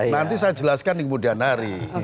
nanti saya jelaskan di kemudian hari